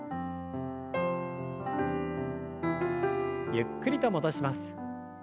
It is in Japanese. ゆっくりと戻します。